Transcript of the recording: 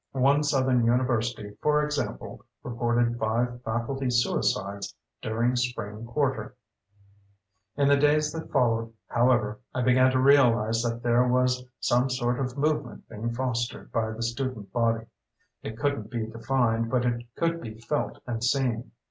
One Southern university, for example, reported five faculty suicides during spring quarter. In the days that followed, however, I began to realize that there was some sort of movement being fostered by the student body. It couldn't be defined, but it could be felt and seen.